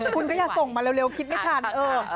คุณก็อย่าส่งมาเร็วคิดไม่ทันเออ